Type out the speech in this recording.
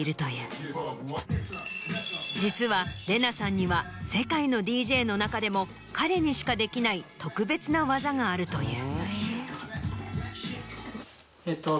実はＲＥＮＡさんには世界のＤＪの中でも彼にしかできない特別な技があるという。